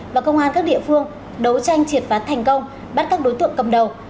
và công an các địa phương đấu tranh triệt phá thành công bắt các đối tượng cầm đầu